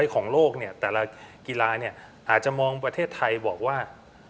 ของโลกเนี่ยแต่ละกีฬาอาจจะมองประเทศไทยบอกว่า